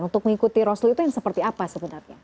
untuk mengikuti rasulullah itu seperti apa sebenarnya